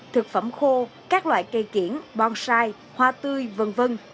thực phẩm khô các loại cây kiển bonsai hoa tươi v v